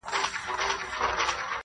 خرامانه په سالو کي ګرځېدي مین دي کړمه.!